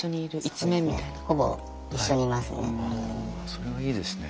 それはいいですね。